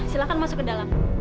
silahkan masuk ke dalam